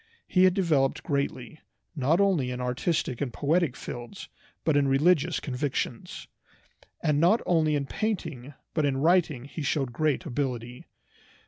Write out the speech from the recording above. He had developed greatly, not only in artistic and poetic fields, but in religious convictions. And not only in painting but in writing he showed great ability.